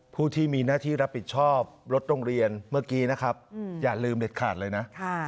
ผู้ที่มีหน้าที่รับผิดชอบรถโรงเรียนเมื่อกี้นะครับอย่าลืมเด็ดขาดเลยนะ